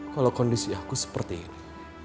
kalau kondisi aku seperti ini